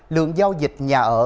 lượng giao dịch nhà ở